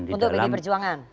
untuk pdi perjuangan